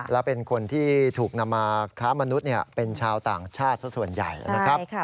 และเป็นคนที่ถูกนำมาค้ามนุษย์เป็นชาวต่างชาติสักส่วนใหญ่นะครับ